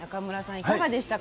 いかがでしたか？